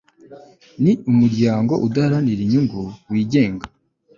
ni umuryango udaharanira inyungu wigenga